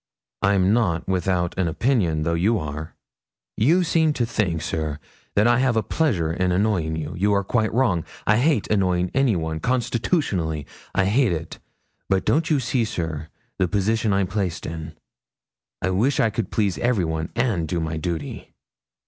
'I'm not without an opinion, though you are.' 'You seem to think, sir, that I have a pleasure in annoying you; you are quite wrong. I hate annoying anyone constitutionally I hate it; but don't you see, sir, the position I'm placed in? I wish I could please everyone, and do my duty.'